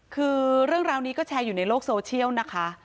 คือเรื่องราวนี้ก็แชร์อยู่ในโลกโซเชียลนะคะ